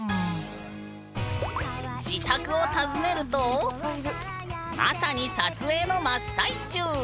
自宅を訪ねるとまさに撮影の真っ最中！